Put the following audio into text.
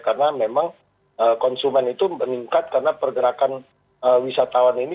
karena memang konsumen itu meningkat karena pergerakan wisatawan ini